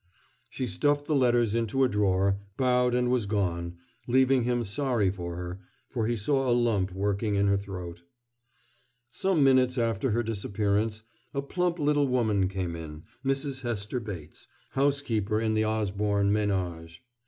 She stuffed the letters into a drawer, bowed, and was gone, leaving him sorry for her, for he saw a lump working in her throat. Some minutes after her disappearance, a plump little woman came in Mrs. Hester Bates, housekeeper in the Osborne ménage.